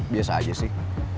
biasa aja sih